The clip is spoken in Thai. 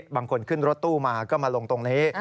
บางคนขึ้นรถตู้มาก็มาลงตรงนี้